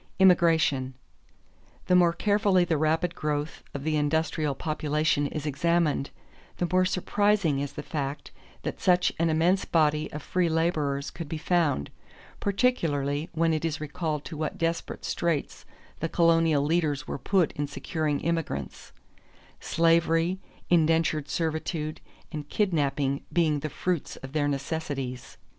Immigration. The more carefully the rapid growth of the industrial population is examined, the more surprising is the fact that such an immense body of free laborers could be found, particularly when it is recalled to what desperate straits the colonial leaders were put in securing immigrants, slavery, indentured servitude, and kidnapping being the fruits of their necessities.